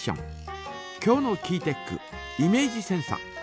今日のキーテックイメージセンサ。